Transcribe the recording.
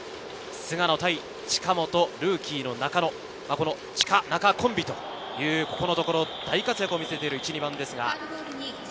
菅野対近本、ルーキーの中野、近中コンビというここのところ大活躍を見せる１・２番です。